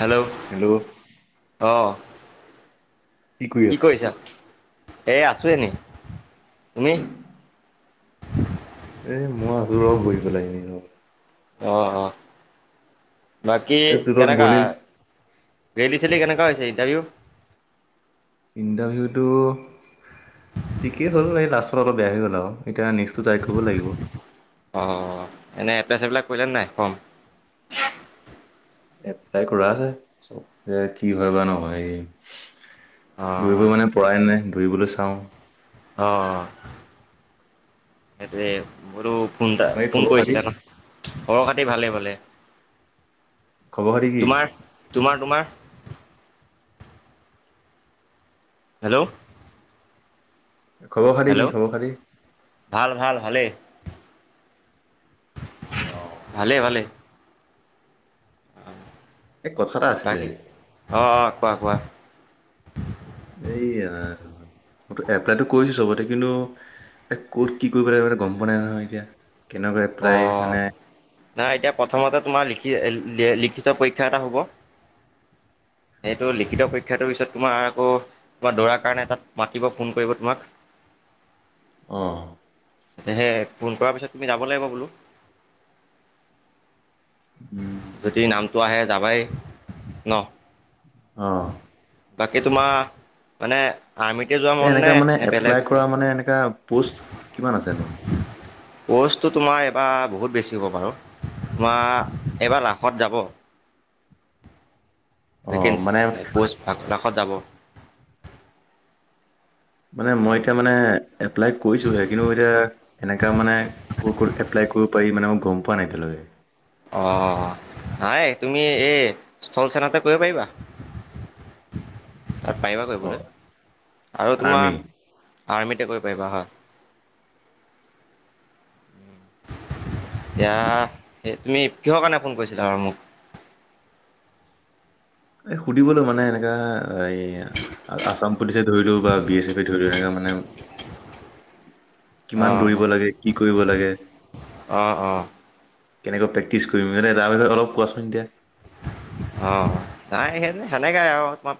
Hello hello অ। কৰি আছ কি কৰিছা? এই আছোঁ এনে। তুমি? এ মই সিহঁতৰ লগত বহি পেলাই আহিলো। অ, অ। বাকী এ তোৰত কেনেকা? বনিল ৰেলি-চেলি কেনেকা হৈছে ইণ্টাৰভিউ? ইণ্টাৰভিউতো ঠিকেই হ'ল নে? লাষ্টত অলপ বেয়া হৈ গ'ল আও, এতিয়া নেক্সট টো ট্ৰাই কৰিব লাগিব। অ, এনেই এপ্লাই-চেপ্লাই কৰিলাই নাই? ফ্ৰম এ এপ্লাই কৰা আছে, এই কি হয় বা নহয়ে দৌৰিব অঁ মানে পৰাই নাই, দৌৰিবলৈ চাওঁ। অ সেইটোৱে বোলো ফোন টা বাকী ফোন খবৰ খাতি কৰিছিলে ন? খবৰ-খাতি ভালে, ভালে। খবৰ খাতি কি তোমাৰ-তোমাৰ-তোমাৰ? হেল্ল' খবৰ খাটি কি, হেল্ল' খবৰ খাটি? ভাল ভাল ভালেই অ ভালেই ভালে। এই কথা এটা আছিলে বাকী অ, অ কোৱা, কোৱা। এই মইটো এপ্লাইটো কৰিছো চবতে, কিন্তু এ ক'ত, কি কৰিব লাগিব গম পোৱা নাই নহয় এতিয়া। কেনেকুৱা অ, এপ্লাই মানে নাই এতিয়া প্ৰথমতে তোমাৰ লিখ কি এ লিখিত পৰীক্ষা এটা হ'ব। সেইটো লিখিত পৰীক্ষাটোৰ পিছত তোমাৰ আকৌ তোমাৰ দৌৰাৰ কাৰণে তাত মাতিব, ফোন কৰিব তোমাক। অ। হে হে ফোন কৰাৰ পিছত তুমি যাব লাগিব বোলো। উম। ত আহে যাবাই ন। অহ এই তোমাৰ মানে। আৰ্মিতে যোৱা মন এনেকা নে মানে নে বেলেগ এপ্লাই ক'তো? কৰা মানে এনেকা পোষ্ট কিমান আছে নো? পষ্টটো তোমাৰ এবাৰ বহুত বেছি হ'ব বাৰু। তোমাৰ এইবাৰ লাখত যাব। [inaudible] অ', ভকেঞ্চি মানে পোষ্ট ভা কাষত যাব। মানে মই অঁ এতিয়া মানে এপ্লাই কৰিছোহে কিন্তু এতিয়া এনেকা মানে ক ক এপ্লাই কৰিব পাৰি মানে মই গম পোৱা নাই এতিয়ালৈ। দেহ অ নাই তুমি এই স্থল চেন্টাৰতে কৰিব পাৰিবা। তাত পাৰিবা কৰিবলৈ অ', আৰু আৰ্মি তোমাৰ আৰ্মিতে কৰিব পাৰিবা হয়। [inaudible] এতিয়া তুমি কিহৰ কাৰণে ফোন কৰিছিলা আৰু মোক। এই সুধিবলৈ মানে এনেকা এই আছাম পুলিচ ধৰিলও বা বি এছ এফে ধৰি এনেকা। মানে কিমান অঁ অঁ দৌৰিব লাগে কি কৰিব লাগে? অঁ অঁ। কেনেকৈ প্ৰেক্টিচ কৰিম মানে তাৰ বিষয়ে অলপ কোৱাচোন এতিয়া। আহ নাই সে হেণেকাই আও তোমাৰ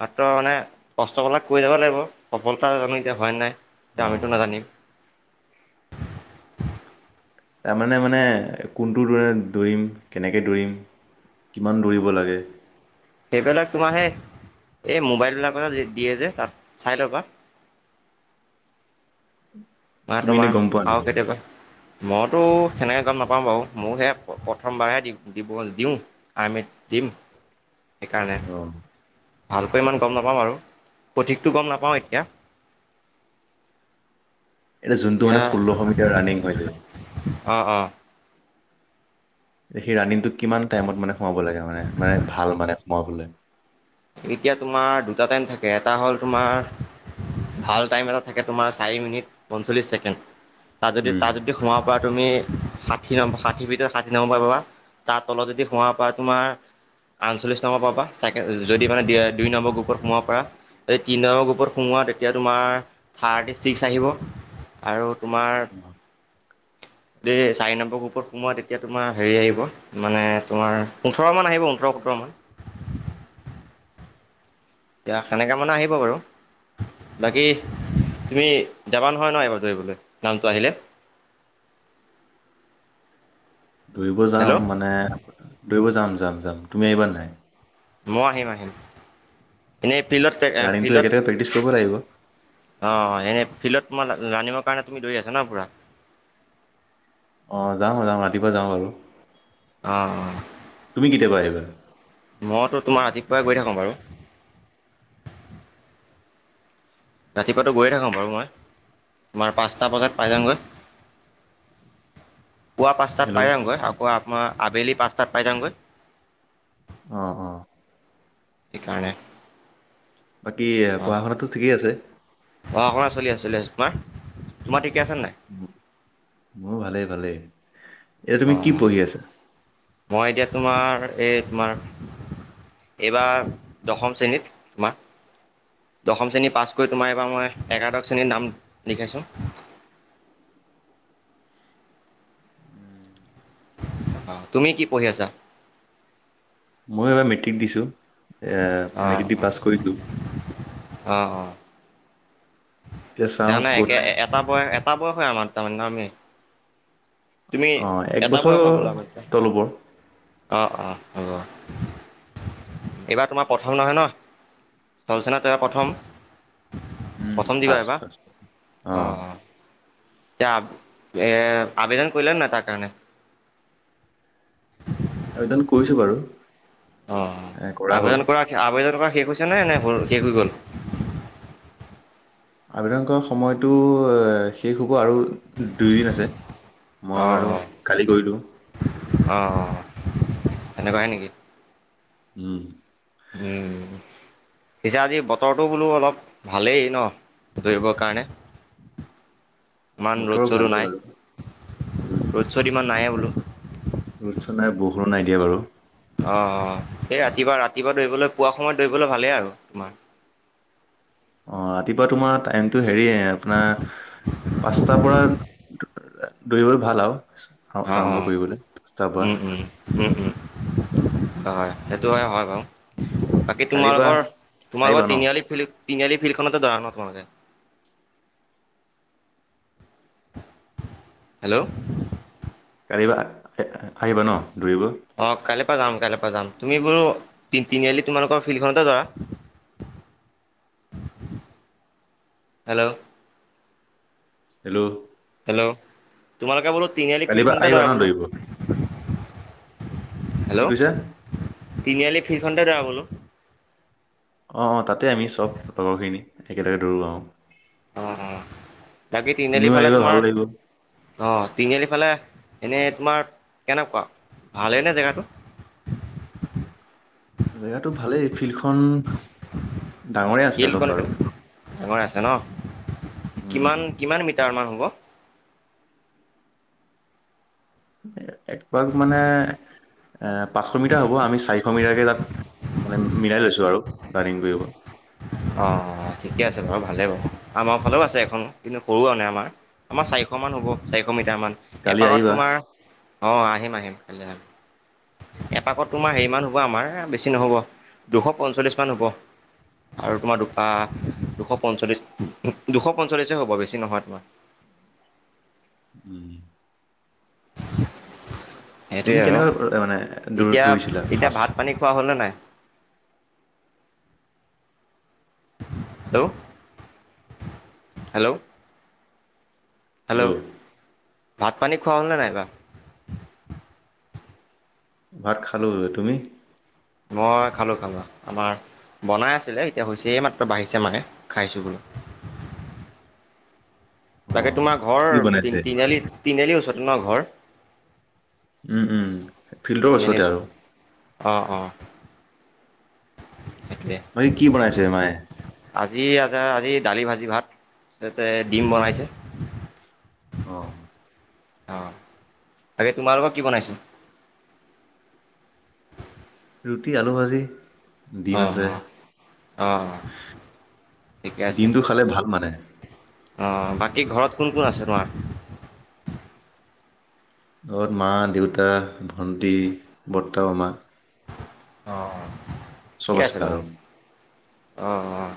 তাতো মানে কষ্ট ক কৰি যাব লাগিব, সফলতা জানো এতিয়া হয় নাই। তে আমিতো অ', নাজানিম তাৰমানে মানে কোনটো দ দৌৰিম কেনেকে দৌৰিম। কিমান দৌৰিব লাগে। সেইবিলাক তোমাৰ সেই এই মোবাইলবিলাৰ দিয়ে যে তাত চাই লবা। ম তুমি এনে তোমাৰ গম পোৱা নেকি? পাওঁকেতিয়াবা প মইতো সেনেকে গম নাপাওঁ বাও, মোকহে প্ৰথমবাৰহে দিব দিওঁ আৰ্মিত দিম। [inaudible] সেই কাৰণে। অ', ভালকৈ ইমান গম নাপাওঁ আৰু সঠিকটো গম নাপাওঁ এতিয়া। এতিয়া যোনটো মানে ষোল্লশ মিটাৰ ৰাণিং হৈ য অঁ অঁ সেই ৰানিংটো কিমান টাইমত মানে সোমাব লাগে মানে মানে ভাল মানে সোমাবলে। এতিয়া তোমাৰ দুটা টাইম থাকে এটা হ'ল তোমাৰ ভাল টাইম এটা থাকে তোমাৰ চাৰি মিনিট পঞ্চল্লিছ ছেকেণ্ড। তাত যদি উম। তাত যদি সোমাব পৰা তুমি ষাঠি ন ষাঠি ভিতৰত ষাঠি নহ প পাবা তাৰ তলত যদি সোমাব পাৰা তোমাৰ আনচল্লিছ নাম্বাৰ পাবা চাই যদি মানে দুই নম্বৰ গ্ৰুপত সোমাব পাৰা য তিনি নম্বৰ গ্ৰুপত সোমোৱা তেতিয়া তোমাৰ থাৰ্টি আহিব আৰু তোমাৰ অ, দেই চাৰি নম্বৰ ওপৰত সোমোৱা তেতিয়া তোমাৰ হেৰি আহিব মানে তোমাৰ ওঠৰমান আহিব ওঠৰ সোতৰমান। এতিয়া সেনেকাে মানে আহিব বাৰু। বাকী তুমি যাবা নহয় ন এবাৰ দৌৰিবলৈ নামটো আহিলে? [unintelligible] দৌৰিব হেল্ল' যাম মানে দৌৰিব যাম যাম যাম তুমি আহিবা নাই। মই আহিম আহিম এনেই। ফিল্ডত ৰানিংটো ফিল্ডত একেলগে প্ৰেক্টিচ কৰিব লাগিব অ' এনেই ফিল্ডত তোমাৰ জানিবৰ কাৰণে তুমি ধৰি আছা না পুৰা। অ' যাওঁ যাওঁ ৰাতিপুৱা যাওঁ আৰু অঁ অঁ তুমি কেতিয়া পৰা আহিবা। মইতো তোমাৰ আতি পুৰা গৈ থাকো বাৰু। ৰাতিপুৱাতো গৈয়ে থাকোঁ বাৰু মই তোমাৰ পাঁচটা বজাত পাই যামগৈ। [unintelligible] পুৱা পাঁচটাত পাই হেল্ল' যামগৈ। আকৌ আপোনাৰ আবেলি পাঁচটাত পাই যামগৈ। অ' অ' সেইকাৰণে বাকী অঁ পঢ়া শুনাটো ঠিকেই আছে। শ কুমাৰ তোমাৰ আছে নাই উ উ ভালেই ভালেই। এতিয়া তুমি অঁ কি অঁ পঢ়ি আছা? মই এতিয়া তোমাৰ এই তোমাৰ। এইবাৰ দশম শ্ৰেণীত তোমাৰ দশম শ্ৰেণী পাছ কৰি তোমাৰ এইবাৰ মই একাদশ শ্ৰেণীৰ নাম লিখিছোঁ। [unintelligible] [inaudible] আহ তুমি কি পঢ়ি আছা? মই এবাৰ মেট্ৰিক দিছোঁ, এ অ' মেট্ৰিক দি অ' পাছ কৰিলোঁ। অ' অ' চাওঁ [unintelligible] ক'ত একে এটা বয়স, এটা বয়স হয় আমাৰ তাৰমানে ন আমি? তুমি অ' এক বছৰ তল-ওপৰ অ'-অ' হ'ব, এইবাৰ তোমাৰ প্ৰথম নহয় ন? চলচেন [inaudible] ত‌ই প্ৰথম? উম, প্ৰথম দিবা ফাৰ্ষ্ট এইবাৰ? ফাৰ্ষ্ট অ', অ'-অ' [unintelligible] এ আবেদন কৰিলা নাই তাৰ কাৰণে? আবেদন কৰিছো বাৰু। অঁ এ [inaudible] হ'ল। আবেদন কৰা, আবেদন কৰা শেষ হৈছে নে, নে হ'ল শেষ হৈ গ'ল? আবেদন কৰা সময়টো শেষ আৰু দুইদিন আছে মই অ' আৰু অ' কালি কৰিলোঁ। অ' সেনেকুৱাই নেকি? উম! উম! পিছে আজি বতৰটো বোলো অলপ ভালেই ন দৌৰিবৰ কাৰণে? উম [inaudible] ইমান ৰ'দ-শ্বতো নাই, ৰ'দ-শ্ব'ত ইমান নাইয়েই বোলো। ৰ'দ-শ্বত নাই, বৰষুণো নাই দিয়া বাৰু। অ'-অ' এই ৰাতিপুৱা-ৰাতিপুৱা দৌৰিবলৈ পুৱা সময়ত দৌৰিবলৈ ভালেই আৰু তোমাৰ [inaudible] অ' ৰাতিপুৱা তোমাৰ টাইমটো হেৰি এ আপোনাৰ পাঁচটাৰ পৰা দৌৰিবলৈ ভাল আৰু অ', আৰম্ভ অ', কৰিবলৈ পাঁচটাৰ পৰা। উম, উম, উম, উম, হয়। সেইটো হয়-হয় বাৰু। বাকী কালিৰ পৰা তোমালোকৰ-তোমালোকৰ আহিবা ন? তিনিআলি ফিল্ড, তিনিআলি ফিল্ডখনত এ [unintelligible] হেল্ল'! কালিৰ পৰা আ-আহিবা ন? দৌৰিব? অ' কালি পৰা যাম, কালি পৰা যাম। তুমি বাৰু তি-তিনিআলি তোমালোকৰ ফিল্ডখনতে দৌৰা? হেল্ল'! হেল্ল'! হেল্ল'! তোমালোকে বোলো তিনিআলি কালিৰ পৰা ফিল্ডখনতে আহিবা দৌৰা ন বোলো? দৌৰিব? কি হেল্ল'! কৈছা? তিনিআলি ফিলখনতে দৌৰা বোলো? অ-অ তাতে আমি চব লগৰখিনি একেলগে দৌৰো আৰু। অ বাকী তুমিও তিনিআলিফালে আহিবা ভাল তোমাৰ লাগিব অ তিনিআলি ফালে এনে তোমাৰ কেনেকুৱা ভালেইনে জেগাটো? জেগাটো ভালেই ফিল্ডখন ডাঙৰে আছিলে অলপ ফিল্ডখন বাৰু। ডাঙৰ ন আছে উম কিমান-কিমান মিটাৰ মান হ'ব? এক মানে এ পাঁচশ মিটাৰ হ'ব আমি চাৰিশ মিটাৰকে তাত মানে মিলাই লৈছো আৰু ৰানিং কৰিব। অ-অ ঠিকে আছে বাৰু ভালে বাৰু, আমাৰ ফালেও আছে এখন কিন্তু সৰু মানে আমাৰ আমাৰ চাৰি চাৰিশ মান হ'ব, চাৰিশ মিটাৰ মান কালি এপাকত আহিবা তোমাৰ! অ আহিম-আহিম কাইলে আহিম। এপাকত তোমাৰ হেৰি মান হব আমাৰ বেছি নহব দুশ পঞ্চল্লিশ মান হ'ব। আৰু তোমাৰ দু দুশ পঞ্চল্লিশ, দুশ পঞ্চল্লিশে হ'ব বেছি নহয় তোমাৰ। উম। [inaudible] সেইটোৱেই তুমি আৰু কেনেকুৱা মানে দৌ দৌৰিছিলা এতিয়া-এতিয়া ফাৰ্ষ্ট ভাতপানী খোৱা হল নে নাই? হেল্ল' হেল্ল' হেল্ল' ল' ভাত পানী খোৱা হ'ল নে নাই। ভাত খালোঁ। তুমি? মই খালো খালা আমাৰ। বনাই আছিলে এতিয়া হৈছে মাত্ৰ বাঢ়িছে মানে খাইছোঁ বোলো। [unintelligible] অ তাকে তোমাৰ ঘৰ কি তি বনাইছে তিনিআলি তিনিআলি ওচৰত তোমাৰ ঘৰ উম উম ফিল্ডৰ তিনিআলিৰ ওচৰতে আৰু। ওচৰত অঁ অঁ সেইটোৱে বাকী কি বনাইছে মায়ে। আ আজি দালি ভাজি ভাত তাতে ডিম বনাইছে। অ অ বাকী তোমালোকৰ কি বনাইছে? ৰুটি আলু ভাজি। ডিম আহ আছে আহ দিনটো খালে ভাল মানে। অ বাকী ঘৰত কোন কোন আছে তোমাৰ। ঘৰত মা দেউতা ভণ্টী বৰ্তা মামা। অ অ চবস্কাৰ। অঁ অঁ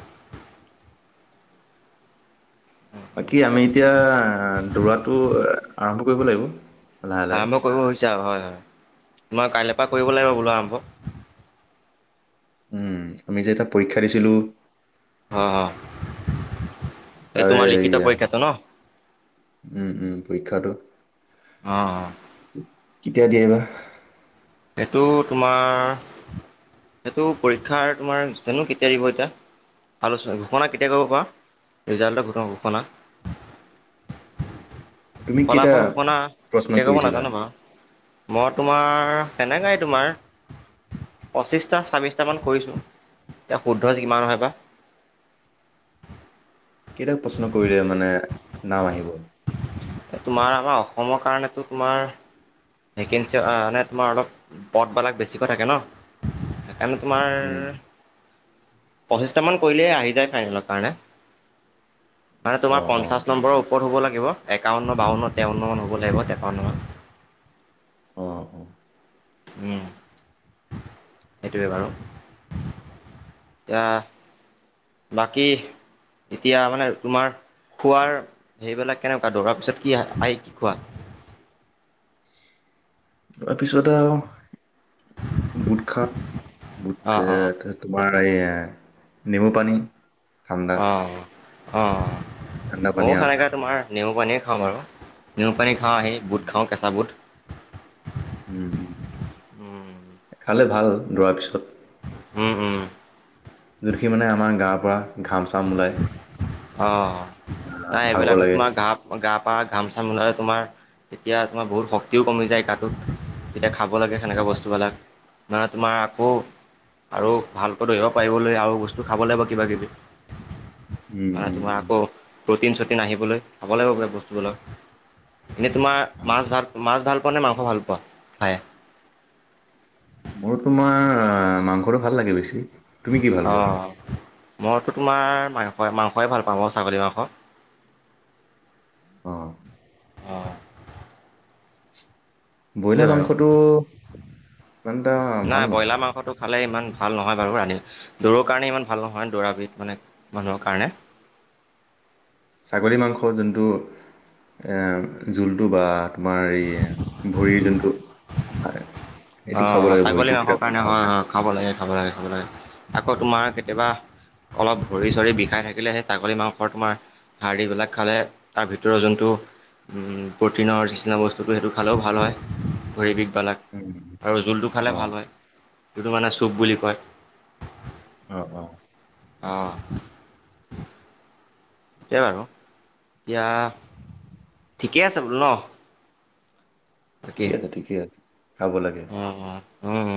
বাকী আমি এতিয়া দৌৰাটো আৰম্ভ কৰিব লাগিব। লাহে লাহে আৰম্ভ কৰিব হৈছে আৰু হয় হয় তোমাৰ কাইলৈ পৰা কৰিব লাগিব বোলো আৰম্ভ। উম আমি যে এটা পৰীক্ষা দিছিলো। অ অ এই তাৰে তোমাৰ লিখিত এয়া পৰীক্ষাটো ন। উম উম পৰীক্ষাটো। অ কেতিয়া দিয়ে বা। এইটো তোমাৰ সেইটো পৰীক্ষা তোমাৰ জানো কেতিয়া দিব এতিয়া। আলোচনা ঘোষণা কেতিয়া কৰিব পাৰা ৰিজাল্টৰ ঘোষণা। [unintelligible] কেইটা ফলাফল ঘোষণা প্ৰশ্ন কেতিয়া কব কৰিছিলা নাজানো বাৰু মই তোমাৰ হেনেকাই তোমাৰ। পঁচিছটা ছাব্বিছটামান কৰিছোঁ এতিয়া শুদ্ধ কিমান হয় বা। কেইটাক প্ৰশ্ন কৰিলে মানে নাম আহিব। তোমাৰ আমাৰ অসমৰ কাৰণেতো তোমাৰ ভেকেঞ্চি মে তোমাৰ অলপ পদবিলাক বেছিকৈ থাকে ন। আমি তোমাৰ উম পঁচিছটা মান কৰিলে আহি যায় ফাইনেলৰ কাৰণে। মানে অ তোমাৰ অ পঞ্চাশ নম্বৰৰ ওপৰত হ'ব লাগে। একাৱন্ন বাৱন্ন তেৱন্ন মান হ'ব লাগিব। অ অ উম সেইটোৱে বাৰু। এয়া বাকী এতিয়া মানে তোমাৰ খোৱাৰ হেৰিবিলাক কেনেকুৱা দৌৰাৰ পিছত কি আহ কি খোৱা। উ তাৰপিছতে আৰু বুট খাত, গোট অঁ অঁ তোমাৰ এই নেমু পানী। ঠাণ্ডা অ অ ঠাণ্ডা ময়ো পানী আৰু সনেক তোমাৰ নেমু পানীয়ে খাওঁ বাৰু নেমু পানী খাওঁ আহি উম বুট খাওঁ কেঁচা বুট। উম খালে ভাল আৰু ৰোৱাৰ পিছত উম উম যোনখিনি মানে আমাৰ গাৰ পৰা ঘাম চাম ওলায় অ নাই এইবিলাকো লাগে তোমাৰ ঘা গা পা ঘাম চাম ওলাই। তোমাৰ তেতিয়া তোমাৰ বহুত শক্তিও কমি যায় গাটো যেতিয়া খাব লাগে সেনেকুৱা অ', বস্তুবিলাক মানে তোমাৰ আকৌ আৰু ভালকৈ ধৰিব পাৰিবলৈ আৰু বস্তু খাব লাগিব কিবা কিবি উম মানে উম তোমাৰ উম আকৌ প্ৰ'টিন চ'টিন আহিবলৈ খাব লাগিব বস্তুবিলাক এনেই তোমাৰ মাছ ভাল মাছ ভাল মাংস ভাল পোৱা খাই মোৰ তোমাৰ মাংসটো ভাল লাগে বেছি তুমি কি ভাল পোৱা অঁ মইতো তোমাৰ মাংস মাংসই ভাল পাওঁ আৰু ছাগলী মাংস অঁ অ ব্ৰইলাৰ মাংসটো ইমান এটা ভাল নাই নহয় ব্ৰইলাৰ মাংসটো খালে ইমান। ভাল নহয় বাৰু ৰাতি দৌৰ কাৰণে ইমান ভাল নহয় দৌৰাবিধ মানে মানুহৰ কাৰণে ছাগলী মাংস যোনটো এ জোলটো বা তোমাৰ এই ভৰিৰ যোনটো অ সেইটো খাব লাগে ছাগলী ভৰিটো মাংসৰ তেতিয়া কাৰণে ভাল হয় হয় খাব লাগে খাব লাগে খাব লাগে আকৌ তোমাৰ কেতিয়াবা অলপ ভৰি চৰি বিষাই থাকিলে সেই ছাগলী মাংসৰ তোমাৰ হাৰ্ডী বিলাক খালে তাৰ ভিতৰৰ যোনটো উ প্ৰটিনৰ নিচিনা বস্তুটো সেইটো খালেও ভাল হয়, ভৰি বিষ বিলাক উম, আৰু জোলটো খালে অ ভাল হয় জুলটো মানে চুপ বুলি কয়। অ অ আহঁ সেই বাৰু এয়া ঠিকেই আছে বোলো ন বাকী ঠিকে আছে ঠিকে আছে খাব লাগে। অ', অ', উম হম